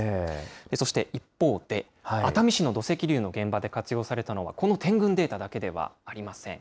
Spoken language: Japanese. そして一方で、熱海市の土石流の現場で活用されたのは、この点群データだけではありません。